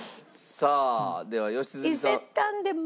さあでは良純さん。